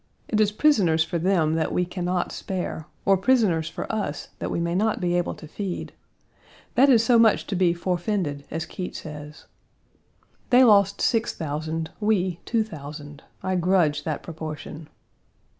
It is prisoners for them that we can not spare, or prisoners for us that we may not be able to feed: that is so much to be "forefended," as Keitt says. They lost six thousand, we two thousand; I grudge that proportion.